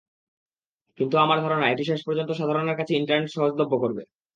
কিন্তু আমার ধারণা এটি শেষ পর্যন্ত সাধারণের কাছে ইন্টারনেট সহজলভ্য করবে।